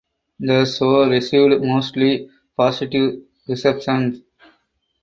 The show received mostly positive reception.